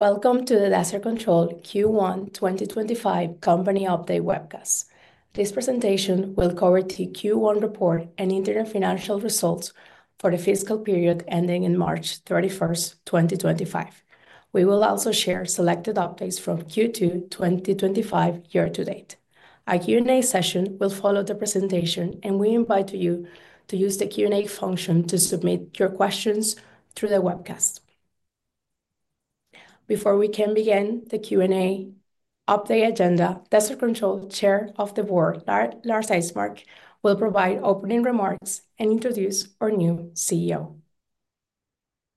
Welcome to the Desert Control Q1 2025 Company Update webcast. This presentation will cover the Q1 report and interim financial results for the fiscal period ending on March 31, 2025. We will also share selected updates from Q2 2025 year-to-date. Our Q&A session will follow the presentation, and we invite you to use the Q&A function to submit your questions through the webcast. Before we can begin the Q&A update agenda, Desert Control Chair of the Board, Lars Eismark, will provide opening remarks and introduce our new CEO.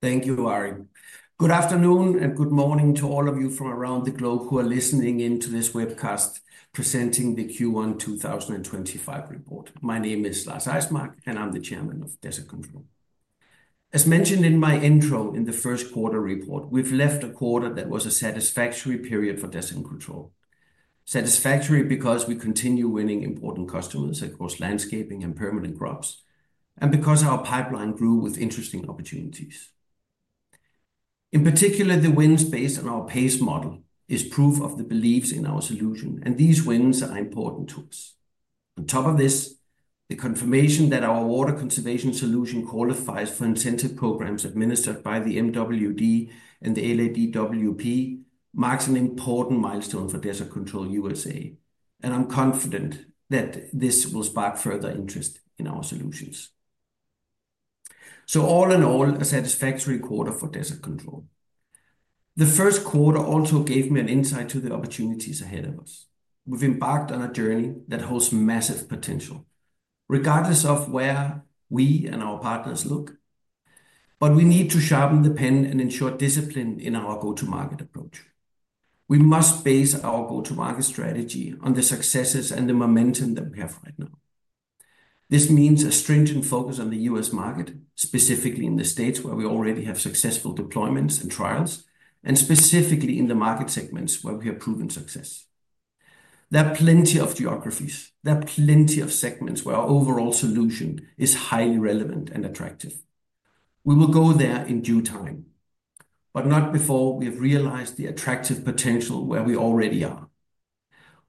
Thank you, Ari. Good afternoon and good morning to all of you from around the globe who are listening in to this webcast presenting the Q1 2025 report. My name is Lars Eismark, and I'm the Chairman of Desert Control. As mentioned in my intro in the 1st quarter report, we've left a quarter that was a satisfactory period for Desert Control. Satisfactory because we continue winning important customers across landscaping and permanent crops, and because our pipeline grew with interesting opportunities. In particular, the wins based on our PACE model are proof of the beliefs in our solution, and these wins are important to us. On top of this, the confirmation that our water conservation solution qualifies for incentive programs administered by the MWD and the LADWP marks an important milestone for Desert Control USA, and I'm confident that this will spark further interest in our solutions. All in all, a satisfactory quarter for Desert Control. The 1st quarter also gave me an insight into the opportunities ahead of us. We've embarked on a journey that holds massive potential, regardless of where we and our partners look, but we need to sharpen the pen and ensure discipline in our go-to-market approach. We must base our go-to-market strategy on the successes and the momentum that we have right now. This means a stringent focus on the U.S. market, specifically in the states where we already have successful deployments and trials, and specifically in the market segments where we have proven success. There are plenty of geographies. There are plenty of segments where our overall solution is highly relevant and attractive. We will go there in due time, but not before we have realized the attractive potential where we already are.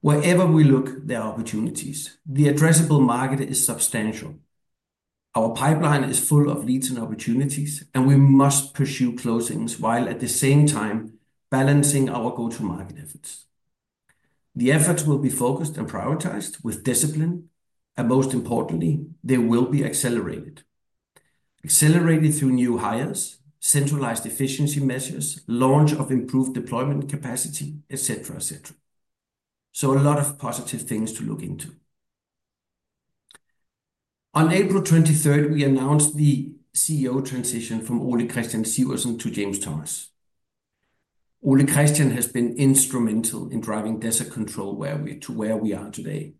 Wherever we look, there are opportunities. The addressable market is substantial. Our pipeline is full of leads and opportunities, and we must pursue closings while at the same time balancing our go-to-market efforts. The efforts will be focused and prioritized with discipline, and most importantly, they will be accelerated. Accelerated through new hires, centralized efficiency measures, launch of improved deployment capacity, etc., etc. A lot of positive things to look into. On April 23rd, we announced the CEO transition from Ole Kristian Sivertsen to James Thomas. Ole Kristian has been instrumental in driving Desert Control to where we are today.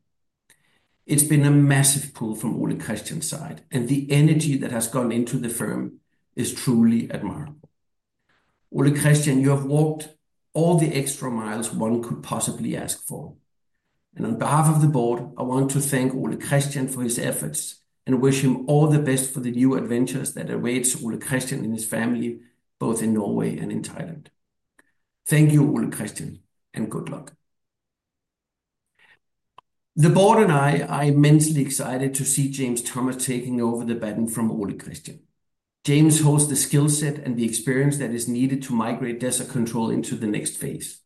It's been a massive pull from Ole Kristian's side, and the energy that has gone into the firm is truly admirable. Ole Kristian, you have walked all the extra miles one could possibly ask for. On behalf of the board, I want to thank Ole Kristian for his efforts and wish him all the best for the new adventures that await Ole Kristian and his family, both in Norway and in Thailand. Thank you, Ole Kristian, and good luck. The board and I are immensely excited to see James Thomas taking over the baton from Ole Kristian. James holds the skill set and the experience that is needed to migrate Desert Control into the next phase.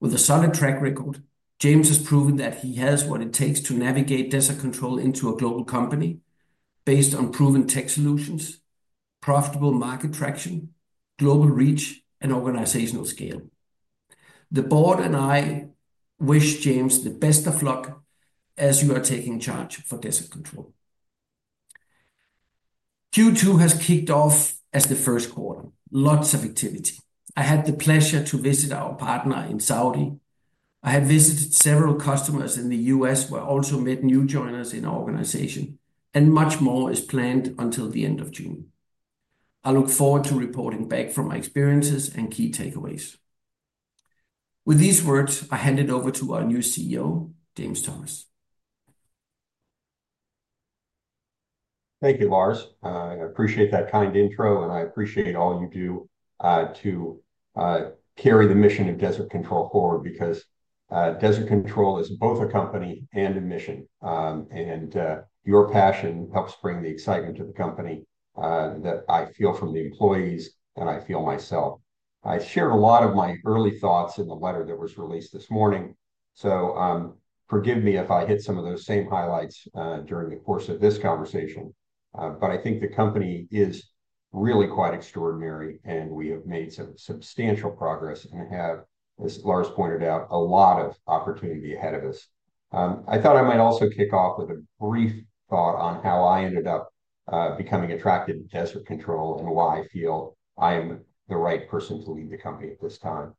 With a solid track record, James has proven that he has what it takes to navigate Desert Control into a global company based on proven tech solutions, profitable market traction, global reach, and organizational scale. The board and I wish James the best of luck as you are taking charge for Desert Control. Q2 has kicked off as the 1st quarter. Lots of activity. I had the pleasure to visit our partner in Saudi. I had visited several customers in the U.S., where I also met new joiners in our organization, and much more is planned until the end of June. I look forward to reporting back from my experiences and key takeaways. With these words, I hand it over to our new CEO, James Thomas. Thank you, Lars. I appreciate that kind intro, and I appreciate all you do to carry the mission of Desert Control forward because Desert Control is both a company and a mission, and your passion helps bring the excitement to the company that I feel from the employees, and I feel myself. I shared a lot of my early thoughts in the letter that was released this morning, so forgive me if I hit some of those same highlights during the course of this conversation, but I think the company is really quite extraordinary, and we have made some substantial progress and have, as Lars pointed out, a lot of opportunity ahead of us. I thought I might also kick off with a brief thought on how I ended up becoming attracted to Desert Control and why I feel I am the right person to lead the company at this time.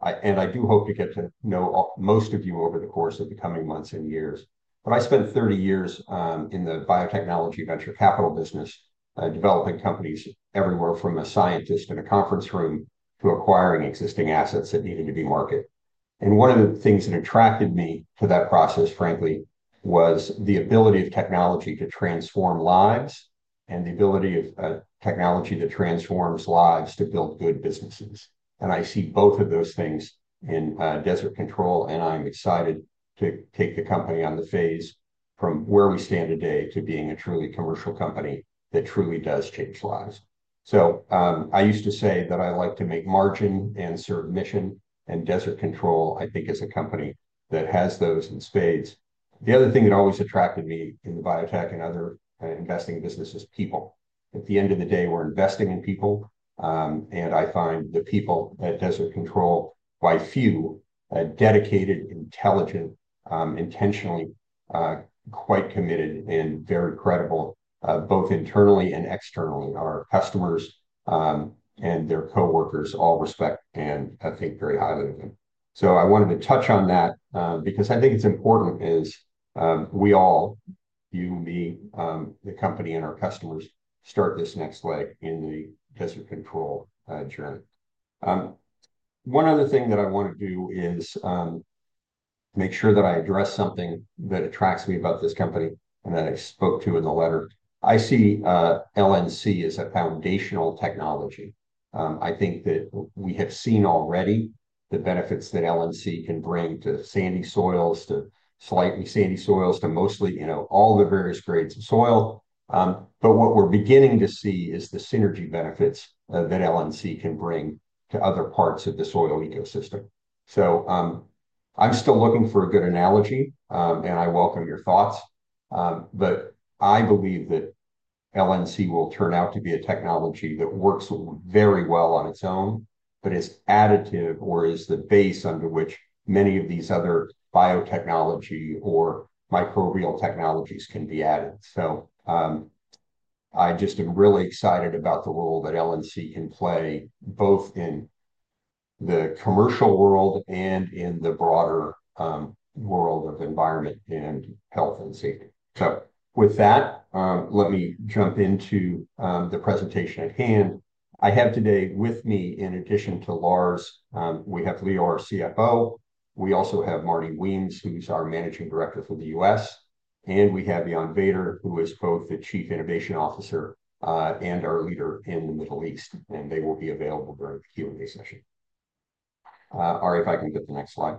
I do hope to get to know most of you over the course of the coming months and years. I spent 30 years in the biotechnology venture capital business, developing companies everywhere from a scientist in a conference room to acquiring existing assets that needed to be marketed. One of the things that attracted me to that process, frankly, was the ability of technology to transform lives and the ability of technology that transforms lives to build good businesses. I see both of those things in Desert Control, and I'm excited to take the company on the phase from where we stand today to being a truly commercial company that truly does change lives. I used to say that I like to make margin and serve mission, and Desert Control, I think, is a company that has those in spades. The other thing that always attracted me in the biotech and other investing business is people. At the end of the day, we're investing in people, and I find the people at Desert Control, by few, dedicated, intelligent, intentionally quite committed, and very credible, both internally and externally. Our customers and their coworkers all respect and think very highly of them. I wanted to touch on that because I think it's important as we all, you, me, the company, and our customers start this next leg in the Desert Control journey. One other thing that I want to do is make sure that I address something that attracts me about this company and that I spoke to in the letter. I see LNC as a foundational technology. I think that we have seen already the benefits that LNC can bring to sandy soils, to slightly sandy soils, to mostly all the various grades of soil. What we're beginning to see is the synergy benefits that LNC can bring to other parts of the soil ecosystem. I'm still looking for a good analogy, and I welcome your thoughts, but I believe that LNC will turn out to be a technology that works very well on its own, but is additive or is the base under which many of these other biotechnology or microbial technologies can be added. I just am really excited about the role that LNC can play both in the commercial world and in the broader world of environment and health and safety. With that, let me jump into the presentation at hand. I have today with me, in addition to Lars, we have Leo, our CFO. We also have Marty Weems, who's our Managing Director for the U.S., and we have Jan Vader, who is both the Chief Innovation Officer and our leader in the Middle East, and they will be available during the Q&A session. Ari, if I can get the next slide.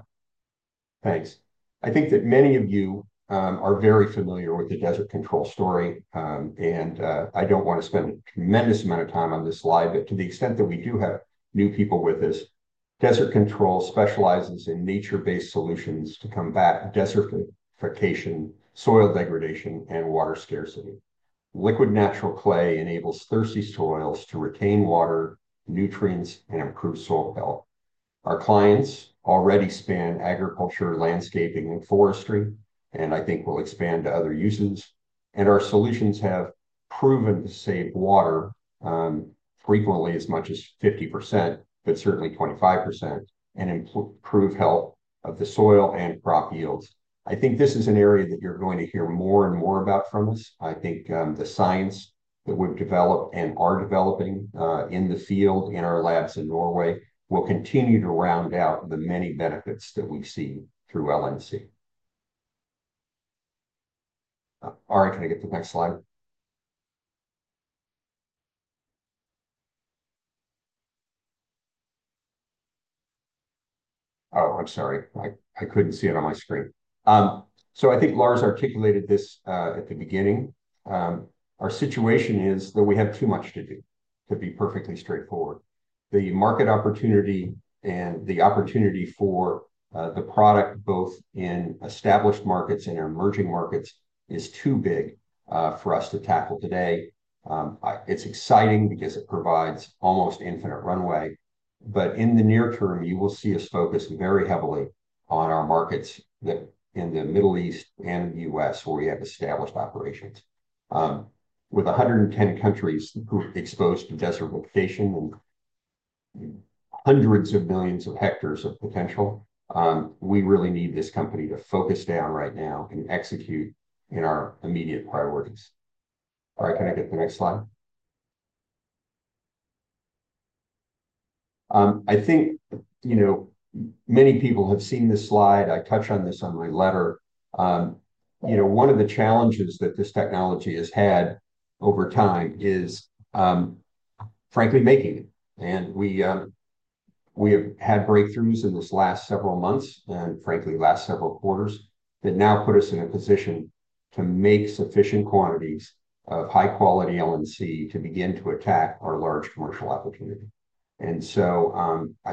Thanks. I think that many of you are very familiar with the Desert Control story, and I don't want to spend a tremendous amount of time on this slide, but to the extent that we do have new people with us, Desert Control specializes in nature-based solutions to combat desertification, soil degradation, and water scarcity. Liquid natural clay enables thirsty soils to retain water, nutrients, and improve soil health. Our clients already span agriculture, landscaping, and forestry, and I think will expand to other uses. Our solutions have proven to save water frequently as much as 50%, but certainly 25%, and improve health of the soil and crop yields. I think this is an area that you're going to hear more and more about from us. I think the science that we've developed and are developing in the field in our labs in Norway will continue to round out the many benefits that we see through LNC. Ari, can I get the next slide? Oh, I'm sorry. I couldn't see it on my screen. I think Lars articulated this at the beginning. Our situation is that we have too much to do, to be perfectly straightforward. The market opportunity and the opportunity for the product, both in established markets and emerging markets, is too big for us to tackle today. It's exciting because it provides almost infinite runway, but in the near term, you will see us focus very heavily on our markets in the Middle East and the U.S., where we have established operations. With 110 countries exposed to desert location and hundreds of millions of hectares of potential, we really need this company to focus down right now and execute in our immediate priorities. Ari, can I get the next slide? I think many people have seen this slide. I touch on this on my letter. One of the challenges that this technology has had over time is, frankly, making it. We have had breakthroughs in this last several months and, frankly, last several quarters that now put us in a position to make sufficient quantities of high-quality LNC to begin to attack our large commercial opportunity. I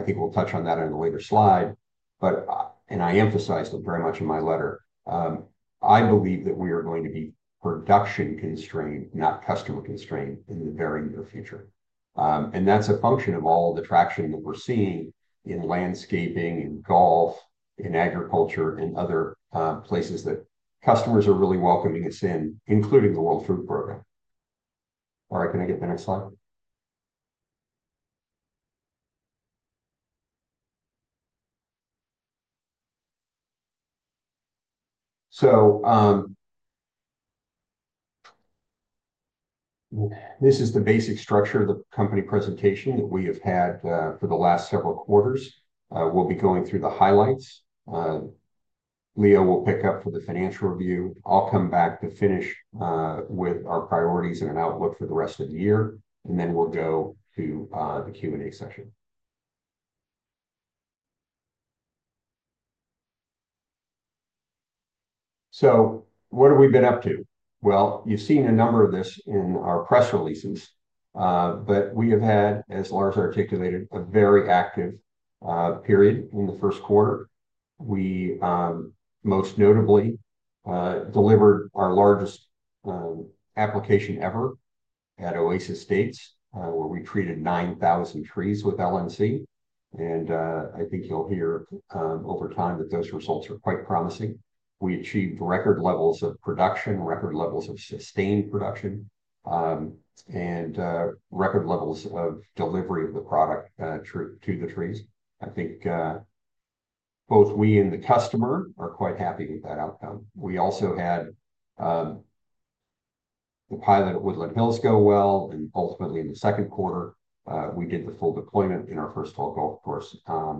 think we'll touch on that on a later slide, and I emphasized it very much in my letter. I believe that we are going to be production constrained, not customer constrained, in the very near future. That is a function of all the traction that we are seeing in landscaping, in golf, in agriculture, and other places that customers are really welcoming us in, including the World Food Programme. Ari, can I get the next slide? This is the basic structure of the company presentation that we have had for the last several quarters. We will be going through the highlights. Leo will pick up for the financial review. I will come back to finish with our priorities and an outlook for the rest of the year, and then we will go to the Q&A session. What have we been up to? You have seen a number of this in our press releases, but we have had, as Lars articulated, a very active period in the first quarter. We most notably delivered our largest application ever at Oasis States, where we treated 9,000 trees with LNC. I think you'll hear over time that those results are quite promising. We achieved record levels of production, record levels of sustained production, and record levels of delivery of the product to the trees. I think both we and the customer are quite happy with that outcome. We also had the pilot at Woodland Hills go well, and ultimately, in the 2nd quarter, we did the full deployment in our 1st full golf course. I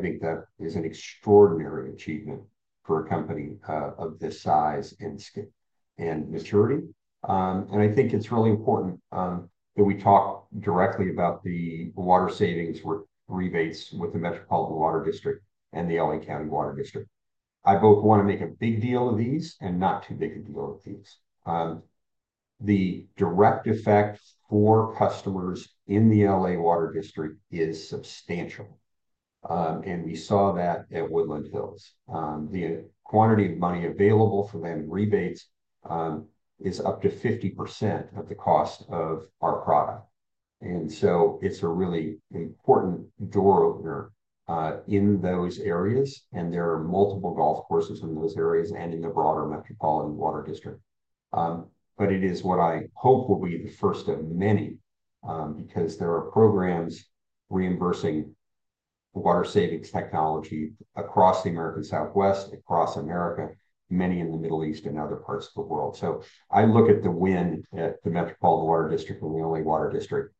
think that is an extraordinary achievement for a company of this size and maturity. I think it's really important that we talk directly about the water savings rebates with the Metropolitan Water District and the L.A. County Water District. I both want to make a big deal of these and not too big a deal of these. The direct effect for customers in the L.A. Water District is substantial, and we saw that at Woodland Hills. The quantity of money available for them in rebates is up to 50% of the cost of our product. It's a really important door opener in those areas, and there are multiple golf courses in those areas and in the broader Metropolitan Water District. It is what I hope will be the first of many because there are programs reimbursing water savings technology across the American Southwest, across America, many in the Middle East and other parts of the world. I look at the win at the Metropolitan Water District and the L.A. Water District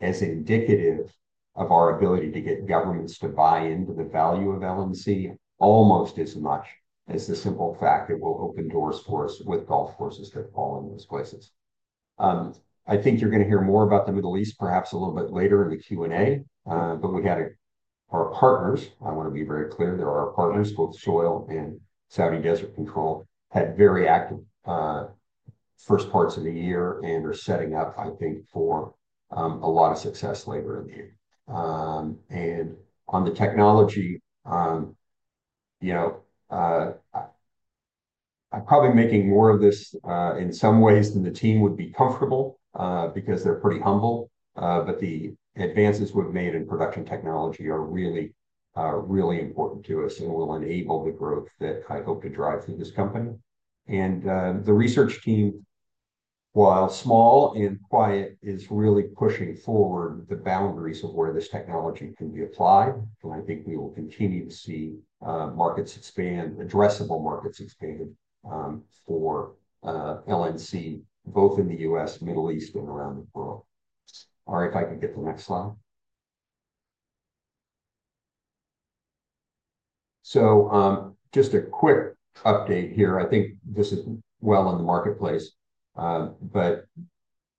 as indicative of our ability to get governments to buy into the value of LNC almost as much as the simple fact that it will open doors for us with golf courses that fall in those places. I think you're going to hear more about the Middle East, perhaps a little bit later in the Q&A, but we had our partners—I want to be very clear—there are our partners, both SOIL and Saudi Desert Control, had very active 1st parts of the year and are setting up, I think, for a lot of success later in the year. On the technology, I'm probably making more of this in some ways than the team would be comfortable because they're pretty humble, but the advances we've made in production technology are really, really important to us and will enable the growth that I hope to drive through this company. The research team, while small and quiet, is really pushing forward the boundaries of where this technology can be applied, and I think we will continue to see addressable markets expand for LNC, both in the U.S., Middle East, and around the world. Ari, if I can get the next slide. Just a quick update here. I think this is well in the marketplace, but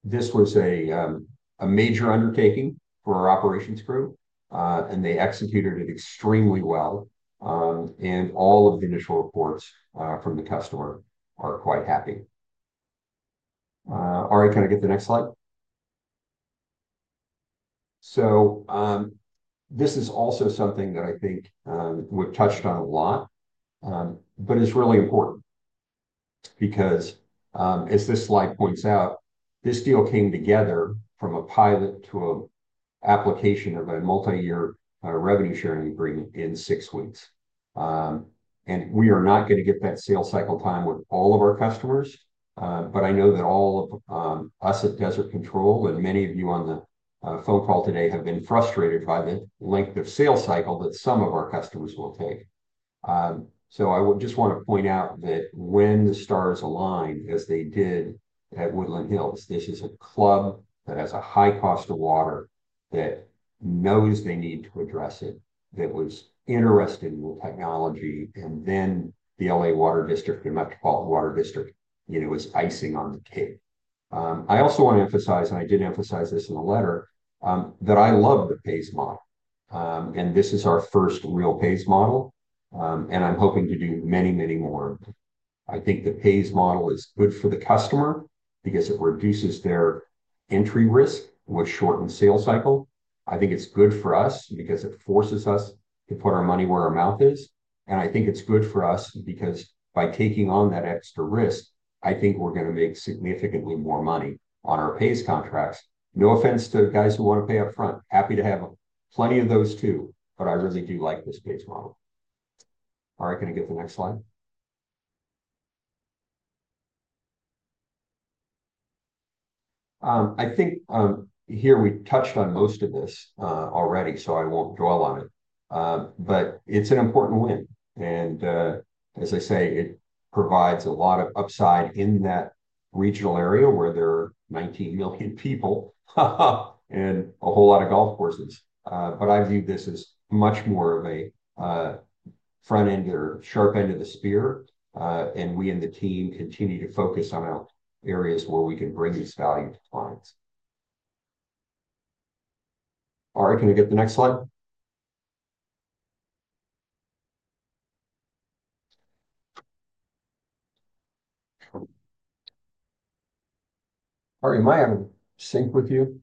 this was a major undertaking for our operations crew, and they executed it extremely well. All of the initial reports from the customer are quite happy. Ari, can I get the next slide? This is also something that I think we've touched on a lot, but it's really important because, as this slide points out, this deal came together from a pilot to an application of a multi-year revenue sharing agreement in six weeks. We are not going to get that sales cycle time with all of our customers, but I know that all of us at Desert Control and many of you on the phone call today have been frustrated by the length of sales cycle that some of our customers will take. I just want to point out that when the stars aligned, as they did at Woodland Hills, this is a club that has a high cost of water, that knows they need to address it, that was interested in the technology, and then the L.A. Water District and Metropolitan Water District was icing on the cake. I also want to emphasize, and I did emphasize this in the letter, that I love the PACE model, and this is our first real PACE model, and I'm hoping to do many, many more of them. I think the PACE model is good for the customer because it reduces their entry risk, which shortens sales cycle. I think it's good for us because it forces us to put our money where our mouth is. I think it's good for us because by taking on that extra risk, I think we're going to make significantly more money on our PACE contracts. No offense to guys who want to pay upfront. Happy to have plenty of those too, but I really do like this PACE model. Ari, can I get the next slide? I think here we touched on most of this already, so I won't dwell on it, but it's an important win. I say it provides a lot of upside in that regional area where there are 19 million people and a whole lot of golf courses. I view this as much more of a front end or sharp end of the spear, and we and the team continue to focus on our areas where we can bring this value to clients. Ari, can I get the next slide? Ari, am I out of sync with you?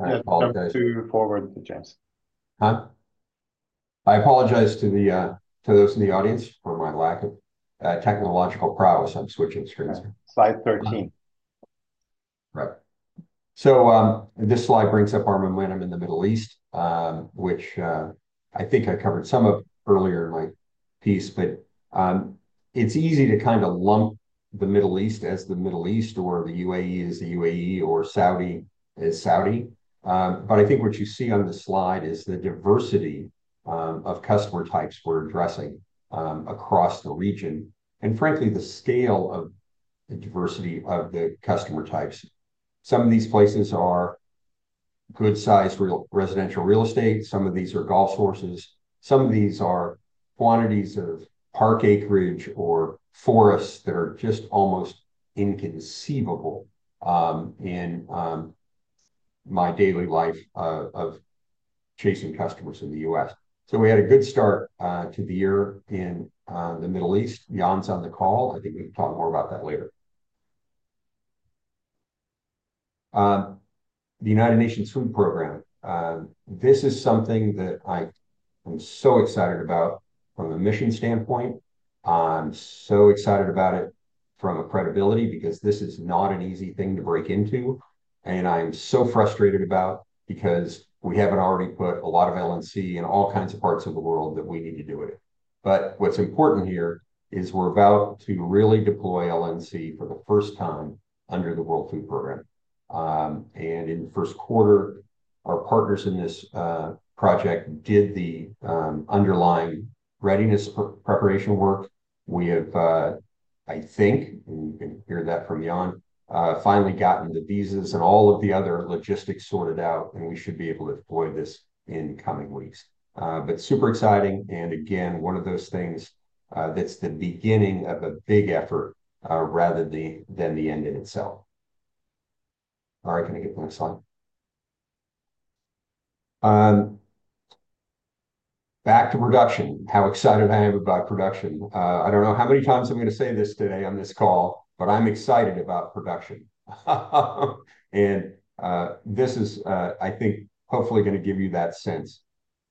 I apologize. I'll move to forward the gents. Huh? I apologize to those in the audience for my lack of technological prowess. I'm switching screens. Slide 13. Right. This slide brings up our momentum in the Middle East, which I think I covered some of earlier in my piece, but it is easy to kind of lump the Middle East as the Middle East, or the UAE as the UAE, or Saudi as Saudi. I think what you see on the slide is the diversity of customer types we are addressing across the region, and frankly, the scale of the diversity of the customer types. Some of these places are good-sized residential real estate. Some of these are golf courses. Some of these are quantities of park acreage or forests that are just almost inconceivable in my daily life of chasing customers in the U.S. We had a good start to the year in the Middle East. Jan is on the call. I think we can talk more about that later. The United Nations World Food Program, this is something that I am so excited about from a mission standpoint. I'm so excited about it from a credibility because this is not an easy thing to break into. I'm so frustrated about it because we haven't already put a lot of LNC in all kinds of parts of the world that we need to do it in. What is important here is we're about to really deploy LNC for the first time under the World Food Program. In the 1st quarter, our partners in this project did the underlying readiness preparation work. We have, I think, and you can hear that from Jan, finally gotten the visas and all of the other logistics sorted out, and we should be able to deploy this in coming weeks. Super exciting. Again, one of those things that's the beginning of a big effort rather than the end in itself. Ari, can I get the next slide? Back to production. How excited I am about production. I don't know how many times I'm going to say this today on this call, but I'm excited about production. This is, I think, hopefully going to give you that sense.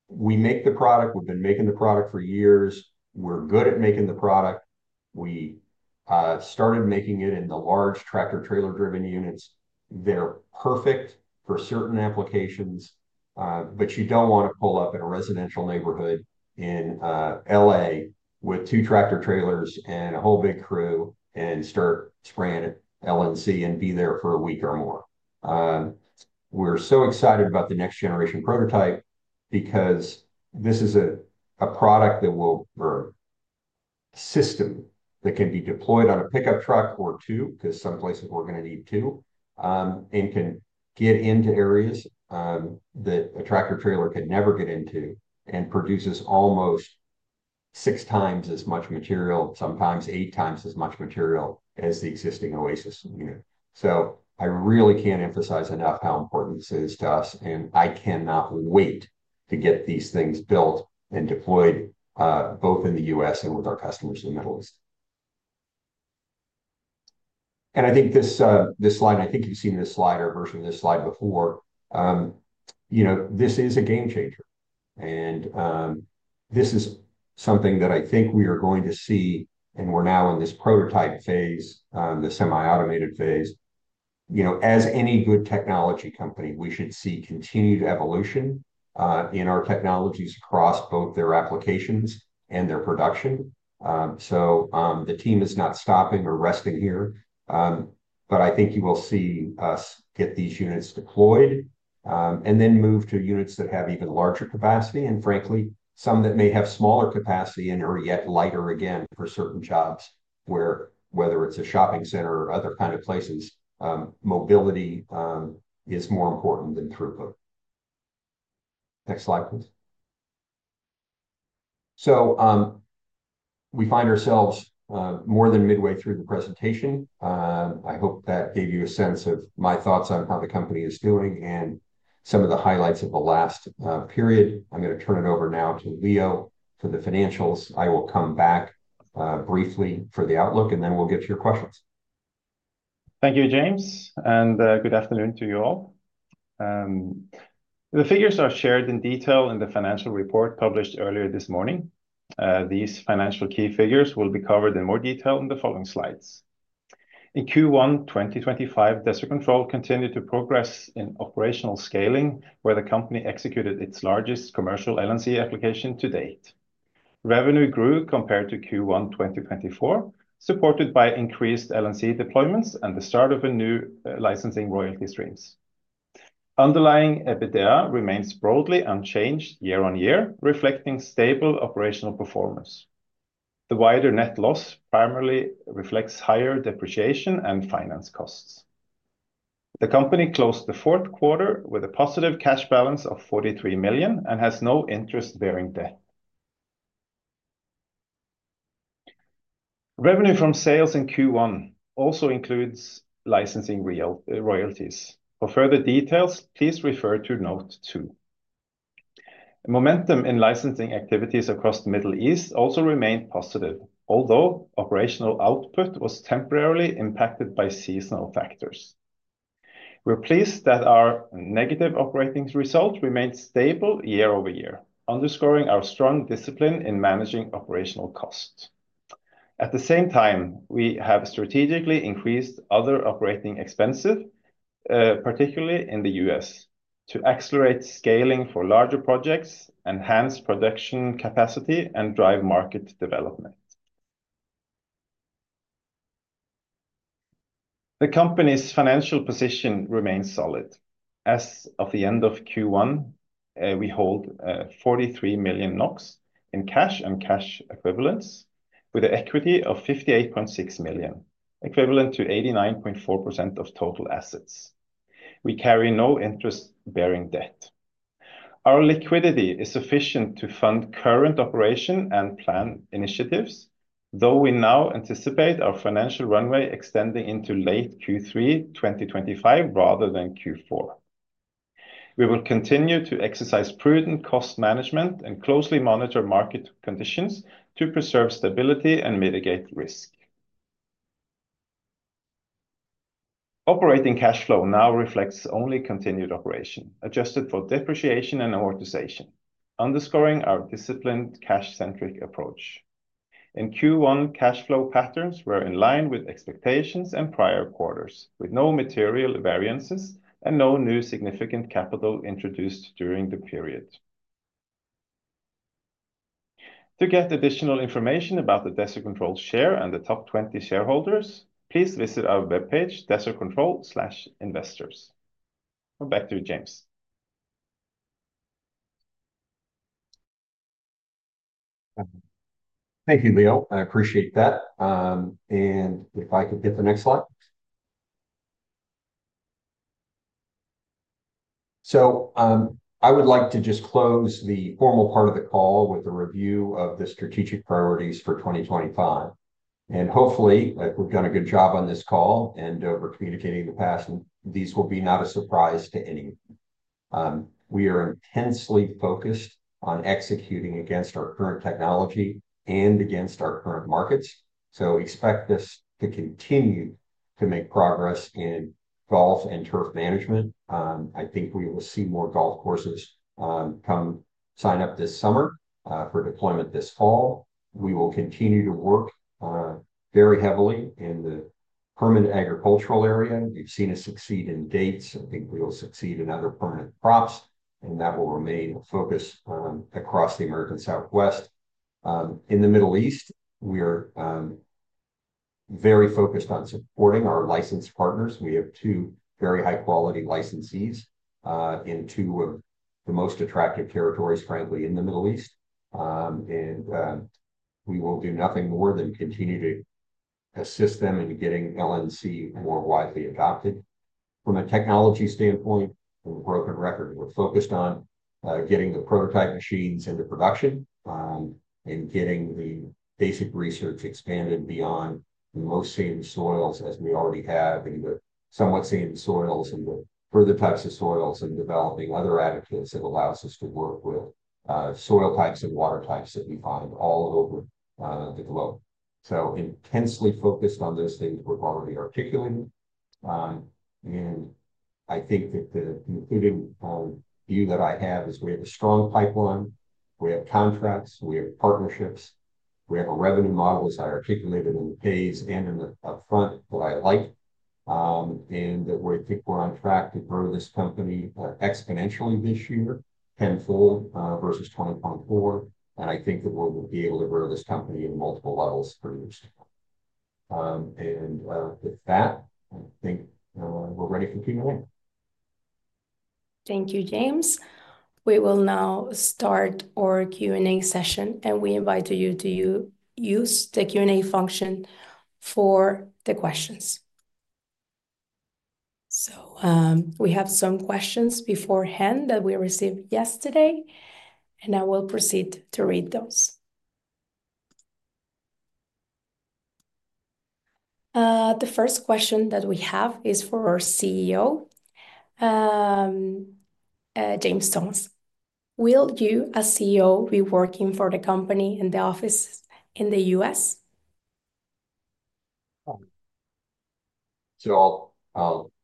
We make the product. We've been making the product for years. We're good at making the product. We started making it in the large tractor-trailer-driven units. They're perfect for certain applications, but you don't want to pull up in a residential neighborhood in L.A. with two tractor-trailers and a whole big crew and start spraying LNC and be there for a week or more. We're so excited about the next-generation prototype because this is a product that will system that can be deployed on a pickup truck or two because some places we're going to need two and can get into areas that a tractor-trailer could never get into and produces almost 6x as much material, sometimes 8x as much material as the existing Oasis unit. I really can't emphasize enough how important this is to us, and I cannot wait to get these things built and deployed both in the US and with our customers in the Middle East. I think this slide, I think you've seen this slide or version of this slide before. This is a game changer. This is something that I think we are going to see, and we're now in this prototype phase, the semi-automated phase. As any good technology company, we should see continued evolution in our technologies across both their applications and their production. The team is not stopping or resting here, but I think you will see us get these units deployed and then move to units that have even larger capacity and, frankly, some that may have smaller capacity and are yet lighter again for certain jobs where, whether it is a shopping center or other kind of places, mobility is more important than throughput. Next slide, please. We find ourselves more than midway through the presentation. I hope that gave you a sense of my thoughts on how the company is doing and some of the highlights of the last period. I am going to turn it over now to Leo for the financials. I will come back briefly for the outlook, and then we will get to your questions. Thank you, James, and good afternoon to you all. The figures are shared in detail in the financial report published earlier this morning. These financial key figures will be covered in more detail in the following slides. In Q1 2025, Desert Control continued to progress in operational scaling, where the company executed its largest commercial LNC application to date. Revenue grew compared to Q1 2024, supported by increased LNC deployments and the start of new licensing royalty streams. Underlying EBITDA remains broadly unchanged year-on-year, reflecting stable operational performance. The wider net loss primarily reflects higher depreciation and finance costs. The company closed the 4th quarter with a positive cash balance of 43 million and has no interest-bearing debt. Revenue from sales in Q1 also includes licensing royalties. For further details, please refer to note two. Momentum in licensing activities across the Middle East also remained positive, although operational output was temporarily impacted by seasonal factors. We're pleased that our negative operating result remained stable year-over-year, underscoring our strong discipline in managing operational costs. At the same time, we have strategically increased other operating expenses, particularly in the U.S., to accelerate scaling for larger projects, enhance production capacity, and drive market development. The company's financial position remains solid. As of the end of Q1, we hold 43 million NOK in cash and cash equivalents, with an equity of 58.6 million, equivalent to 89.4% of total assets. We carry no interest-bearing debt. Our liquidity is sufficient to fund current operation and plan initiatives, though we now anticipate our financial runway extending into late Q3 2025 rather than Q4. We will continue to exercise prudent cost management and closely monitor market conditions to preserve stability and mitigate risk. Operating cash flow now reflects only continued operation, adjusted for depreciation and amortization, underscoring our disciplined cash-centric approach. In Q1, cash flow patterns were in line with expectations and prior quarters, with no material variances and no new significant capital introduced during the period. To get additional information about the Desert Control share and the top 20 shareholders, please visit our webpage, desertcontrol.investors. I'm back to you, James. Thank you, Leo. I appreciate that. If I could get the next slide. I would like to just close the formal part of the call with a review of the strategic priorities for 2025. Hopefully, if we've done a good job on this call and over communicating in the past, these will be not a surprise to anyone. We are intensely focused on executing against our current technology and against our current markets. Expect us to continue to make progress in golf and turf management. I think we will see more golf courses come sign up this summer for deployment this fall. We will continue to work very heavily in the permanent agricultural area. We've seen it succeed in dates. I think we will succeed in other permanent crops, and that will remain a focus across the American Southwest. In the Middle East, we are very focused on supporting our licensed partners. We have two very high-quality licensees in two of the most attractive territories, frankly, in the Middle East. We will do nothing more than continue to assist them in getting LNC more widely adopted. From a technology standpoint, we've broken record. We're focused on getting the prototype machines into production and getting the basic research expanded beyond the most sandy soils as we already have and the somewhat sandy soils and the further types of soils and developing other attitudes that allow us to work with soil types and water types that we find all over the globe. Intensely focused on those things we're already articulating. I think that the concluding view that I have is we have a strong pipeline. We have contracts. We have partnerships. We have a revenue model as I articulated in the phase and in the upfront that I like. We think we're on track to grow this company exponentially this year, tenfold versus 2024. I think that we'll be able to grow this company in multiple levels for years to come. With that, I think we're ready for Q&A. Thank you, James. We will now start our Q&A session, and we invite you to use the Q&A function for the questions. We have some questions beforehand that we received yesterday, and I will proceed to read those. The first question that we have is for our CEO, James Thomas. Will you, as CEO, be working for the company and the office in the US?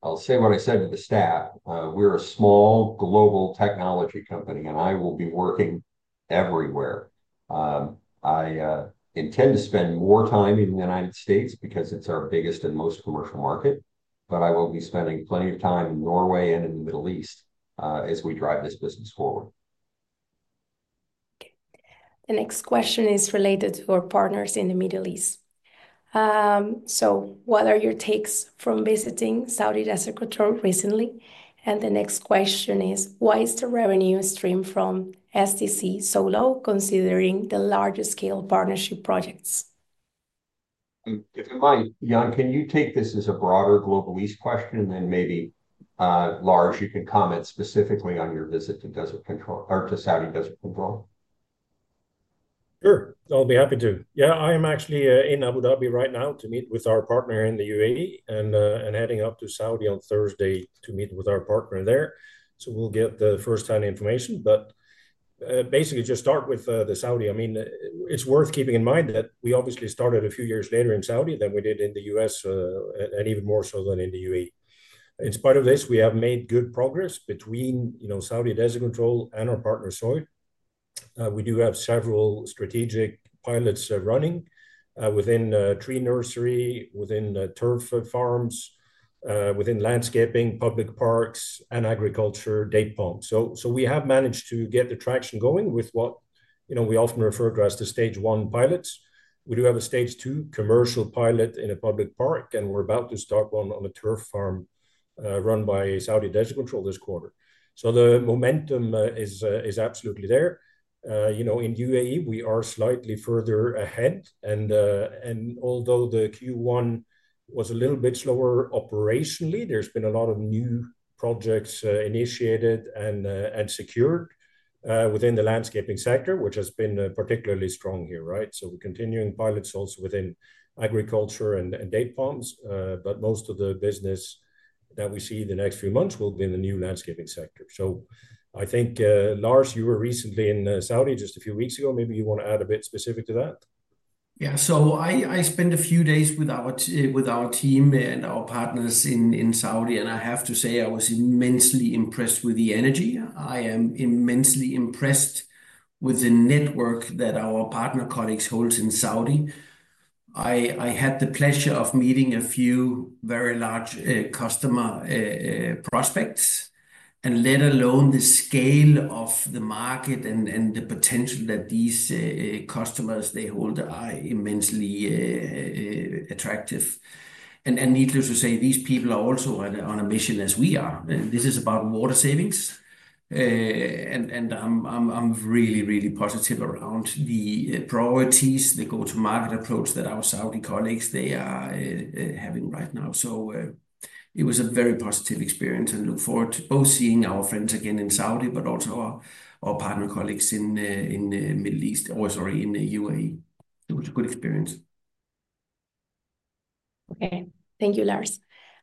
I'll say what I said to the staff. We're a small global technology company, and I will be working everywhere. I intend to spend more time in the United States because it's our biggest and most commercial market, but I will be spending plenty of time in Norway and in the Middle East as we drive this business forward. Okay. The next question is related to our partners in the Middle East. What are your takes from visiting Saudi Desert Control recently? The next question is, why is the revenue stream from SDC so low, considering the larger-scale partnership projects? If you mind, Jan, can you take this as a broader global east question and then maybe Lars, you can comment specifically on your visit to Desert Control or to Saudi Desert Control? Sure. I'll be happy to. Yeah, I am actually in Abu Dhabi right now to meet with our partner in the UAE and heading up to Saudi on Thursday to meet with our partner there. We'll get the first-hand information, but basically just start with the Saudi. I mean, it's worth keeping in mind that we obviously started a few years later in Saudi than we did in the U.S., and even more so than in the UAE. In spite of this, we have made good progress between Saudi Desert Control and our partner SOIL. We do have several strategic pilots running within tree nursery, within turf farms, within landscaping, public parks, and agriculture date palms. We have managed to get the traction going with what we often refer to as the stage one pilots. We do have a stage two commercial pilot in a public park, and we're about to start one on a turf farm run by Saudi Desert Control this quarter. The momentum is absolutely there. In the UAE, we are slightly further ahead. Although the Q1 was a little bit slower operationally, there's been a lot of new projects initiated and secured within the landscaping sector, which has been particularly strong here, right? We're continuing pilots also within agriculture and date palms, but most of the business that we see in the next few months will be in the new landscaping sector. I think, Lars, you were recently in Saudi just a few weeks ago. Maybe you want to add a bit specific to that? Yeah. I spent a few days with our team and our partners in Saudi, and I have to say I was immensely impressed with the energy. I am immensely impressed with the network that our partner colleagues hold in Saudi. I had the pleasure of meeting a few very large customer prospects, and let alone the scale of the market and the potential that these customers they hold are immensely attractive. Needless to say, these people are also on a mission as we are. This is about water savings. I'm really, really positive around the priorities, the go-to-market approach that our Saudi colleagues they are having right now. It was a very positive experience. I look forward to both seeing our friends again in Saudi, but also our partner colleagues in the Middle East, or sorry, in the UAE. It was a good experience. Okay. Thank you, Lars.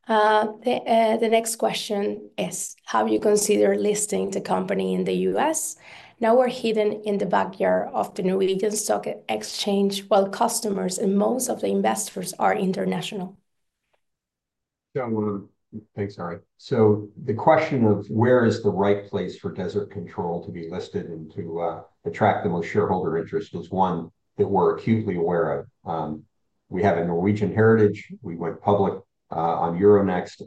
The next question is, how do you consider listing the company in the U.S.? Now we're hidden in the backyard of the Norwegian Stock Exchange while customers and most of the investors are international. Thanks, Ari. The question of where is the right place for Desert Control to be listed and to attract the most shareholder interest is one that we're acutely aware of. We have a Norwegian heritage. We went public on Euronext.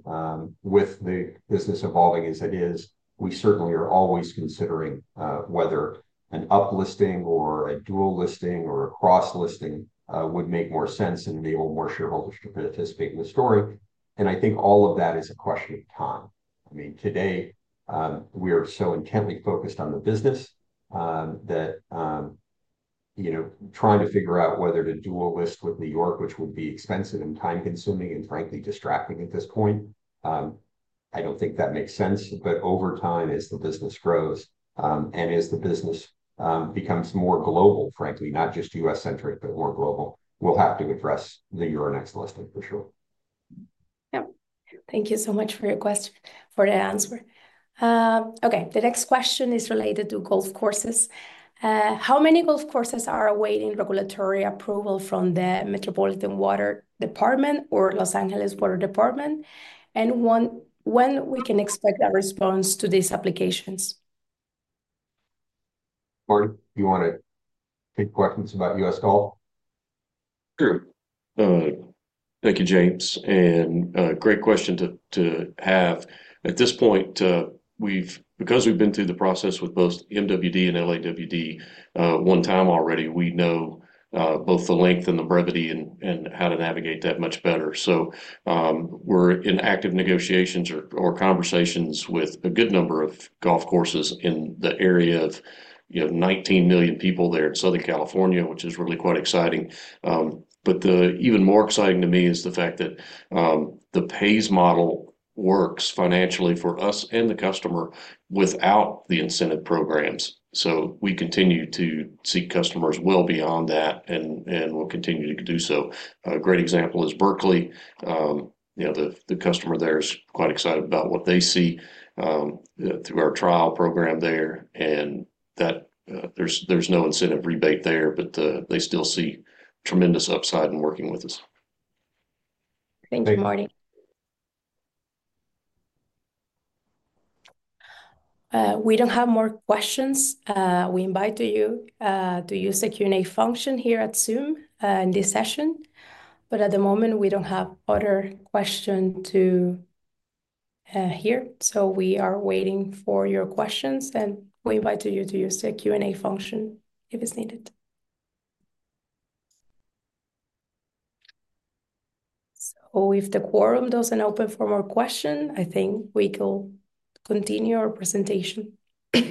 With the business evolving as it is, we certainly are always considering whether an uplisting or a dual listing or a cross-listing would make more sense and enable more shareholders to participate in the story. I think all of that is a question of time. I mean, today, we are so intently focused on the business that trying to figure out whether to dual list with New York, which would be expensive and time-consuming and frankly distracting at this point, I don't think that makes sense. Over time, as the business grows and as the business becomes more global, frankly, not just U.S.-centric, but more global, we'll have to address the Euronext listing for sure. Yeah. Thank you so much for your question for the answer. Okay. The next question is related to golf courses. How many golf courses are awaiting regulatory approval from the Metropolitan Water District or Los Angeles Department of Water and Power? And when we can expect a response to these applications? Marty, do you want to take questions about U.S. golf? Sure. Thank you, James. Great question to have. At this point, because we've been through the process with both MWD and LADWP one time already, we know both the length and the brevity and how to navigate that much better. We're in active negotiations or conversations with a good number of golf courses in the area of 19 million people there in Southern California, which is really quite exciting. Even more exciting to me is the fact that the pay-as-you-save business model works financially for us and the customer without the incentive programs. We continue to seek customers well beyond that, and we'll continue to do so. A great example is Berkeley. The customer there is quite excited about what they see through our trial program there. There's no incentive rebate there, but they still see tremendous upside in working with us. Thank you, Marty. We don't have more questions. We invite you to use the Q&A function here at Zoom in this session. At the moment, we don't have other questions to hear. We are waiting for your questions, and we invite you to use the Q&A function if it's needed. If the quorum doesn't open for more questions, I think we can continue our presentation. All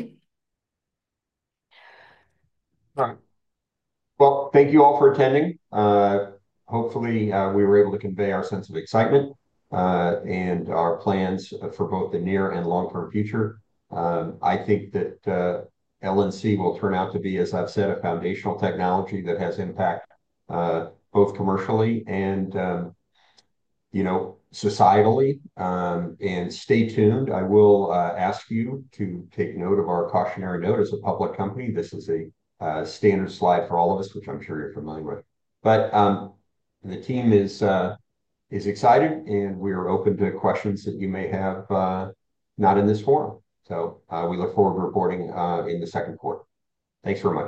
right. Thank you all for attending. Hopefully, we were able to convey our sense of excitement and our plans for both the near and long-term future. I think that LNC will turn out to be, as I've said, a foundational technology that has impact both commercially and societally. Stay tuned. I will ask you to take note of our cautionary note. As a public company, this is a standard slide for all of us, which I'm sure you're familiar with. The team is excited, and we are open to questions that you may have, not in this forum. We look forward to reporting in the second quarter. Thanks very much.